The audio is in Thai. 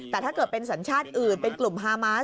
แต่ถ้าเกิดเป็นสัญชาติอื่นเป็นกลุ่มฮามาส